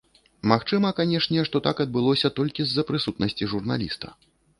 Магчыма, канешне, што так адбылося толькі з-за прысутнасці журналіста.